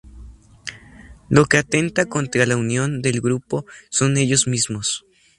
Lo que atenta contra la unión del grupo son ellos mismos.